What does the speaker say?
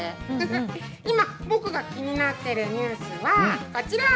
今、僕が気になっているニュースはこちら。